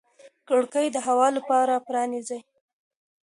کړکۍ د هوا لپاره پرانیزئ.